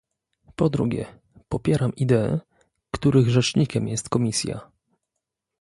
Po drugie, popieram idee, których rzecznikiem jest Komisja